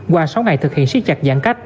qua sáu ngày thực hiện xiết chặt giãn cách